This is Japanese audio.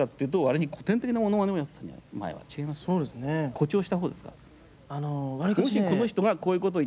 誇張したほうですか？